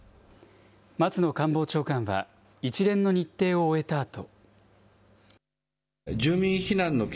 松野官房長官は、一連の日程を終えたあと。